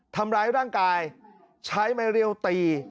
ทำร้ายร่างกายใช้ไม้เรียวตี